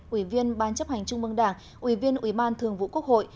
ủy viên ban chấp hành trung mương đảng ủy viên ủy ban thường vụ quốc hội